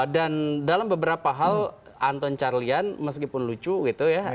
dan dalam beberapa hal anton carlyan meskipun lucu gitu ya